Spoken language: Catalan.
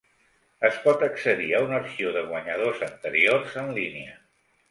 Es pot accedir a un arxiu de guanyadors anteriors en línia.